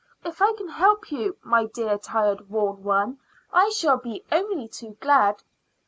"If I can help you, you dear, tired, worn one, I shall be only too glad."